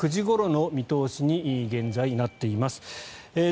運転再開午前９時ごろの見通しに現在なっています。